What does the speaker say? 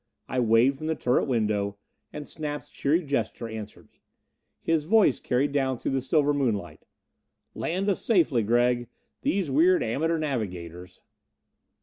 I waved from the turret window, and Snap's cheery gesture answered me. His voice carried down through the silver moonlight: "Land us safely, Gregg. These weird amateur navigators!"